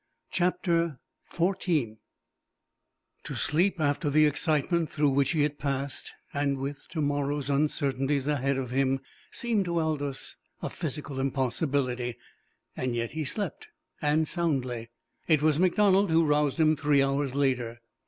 CHAPTER XIV To sleep after the excitement through which he had passed, and with to morrow's uncertainties ahead of him, seemed to Aldous a physical impossibility. Yet he slept, and soundly. It was MacDonald who roused him three hours later.